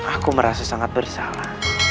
aku merasa sangat bersalah